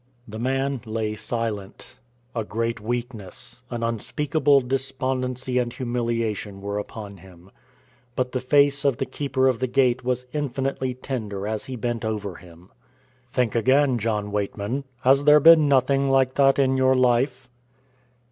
The man lay silent. A great weakness, an unspeakable despondency and humiliation were upon him. But the face of the Keeper of the Gate was infinitely tender as he bent over him. "Think again, John Weightman. Has there been nothing like that in your life?"